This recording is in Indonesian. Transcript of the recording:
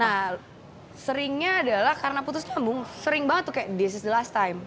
nah seringnya adalah karena putus nyambung sering banget tuh kayak this is the last time